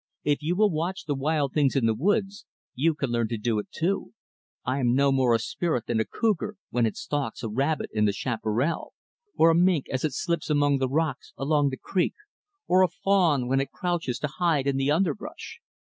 If you will watch the wild things in the woods, you can learn to do it too. I am no more a spirit than the cougar, when it stalks a rabbit in the chaparral; or a mink, as it slips among the rocks along the creek; or a fawn, when it crouches to hide in the underbrush."